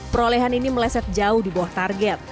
perolehan ini meleset jauh di bawah target